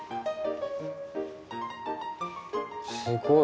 すごい。